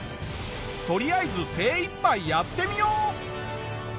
とりあえず精いっぱいやってみよう！